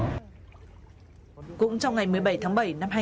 tôi thấy như vậy tự nhiên trong đầu tôi ngạch sinh ý định là gặt cái túi sách đó